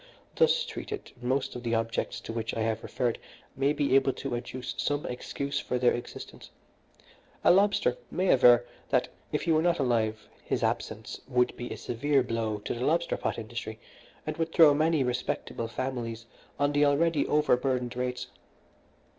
Thus treated, most of the objects to which I have referred may be able to adduce some excuse for their existence. A lobster may aver that if he were not alive his absence would be a severe blow to the lobster pot industry, and would throw many respectable families on the already overburdened rates.